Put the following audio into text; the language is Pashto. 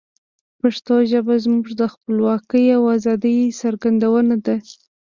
پښتو ژبه زموږ د خپلواکۍ او آزادی څرګندونه ده.